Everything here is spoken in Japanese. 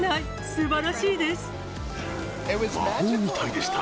すばらしいで魔法みたいでした。